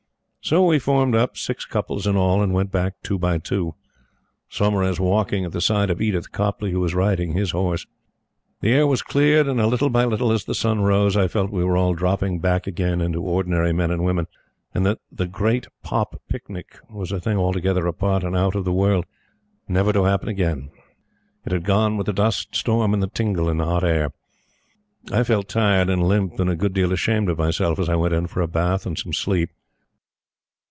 So, we formed up, six couples in all, and went back two by two; Saumarez walking at the side of Edith Copleigh, who was riding his horse. The air was cleared; and little by little, as the sun rose, I felt we were all dropping back again into ordinary men and women and that the "Great Pop Picnic" was a thing altogether apart and out of the world never to happen again. It had gone with the dust storm and the tingle in the hot air. I felt tired and limp, and a good deal ashamed of myself as I went in for a bath and some sleep.